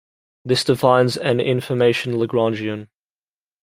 This defines an "information Lagrangian".